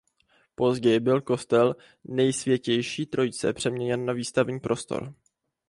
Později byl kostel Nejsvětější Trojice přeměněn na výstavní prostor.